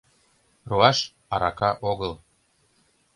Руаш — арака огыл.